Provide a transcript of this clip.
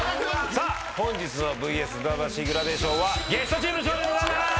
さあ本日の『ＶＳ魂』グラデーションはゲストチームの勝利でございます！